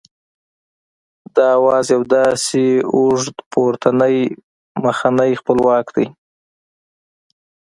دا آواز یو داسې اوږد پورتنی مخنی خپلواک دی